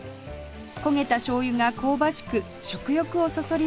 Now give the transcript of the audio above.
焦げたしょうゆが香ばしく食欲をそそります